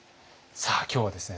さあ今日はですね